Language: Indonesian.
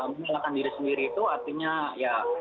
menyalahkan diri sendiri itu artinya ya